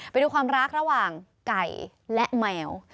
ไปดูความรักระหว่างไก่และแมว